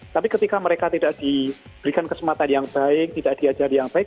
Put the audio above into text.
tapi ketika mereka tidak diberikan kesempatan yang baik tidak diajari yang baik